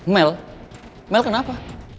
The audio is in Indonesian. mel mel kenapa